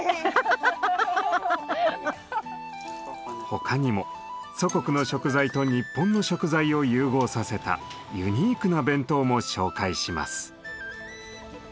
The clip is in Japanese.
他にも祖国の食材と日本の食材を融合させたユニークな弁当も紹介します。